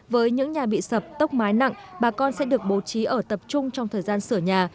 với những nhà bị sập tốc mái nặng bà con sẽ được bố trí ở tập trung trong thời gian sửa nhà